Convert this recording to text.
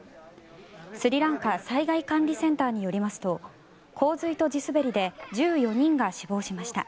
スリランカ災害管理センターによりますと洪水と地滑りで１４人が死亡しました。